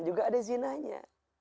juga ada zinahnya